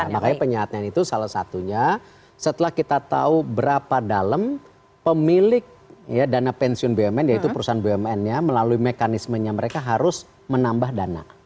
makanya penyehatan itu salah satunya setelah kita tahu berapa dalam pemilik dana pensiun bumn yaitu perusahaan bumn nya melalui mekanismenya mereka harus menambah dana